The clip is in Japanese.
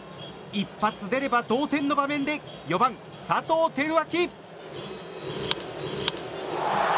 一発出れば同点の場面で４番、佐藤輝明。